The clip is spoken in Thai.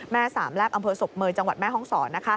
แม่สามแลบอำเภอศพเมย์จังหวัดแม่ห้องศร